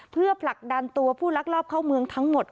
เพื่อผลักดันตัวผู้ลักลอบเข้าเมืองทั้งหมด